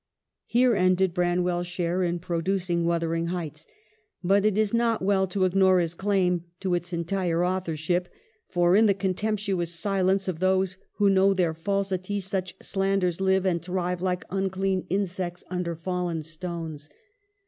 Here ended Branwell's share in producing ' Wuthering Heights.' But it is not well to ig nore his claim to its entire authorship ; for in the contemptuous silence of those who know their falsity, such slanders live and thrive like unclean insects under fallen stones.